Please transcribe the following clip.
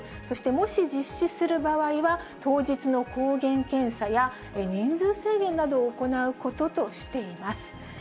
そしてもし実施する場合は、当日の抗原検査や、人数制限などを行うこととしています。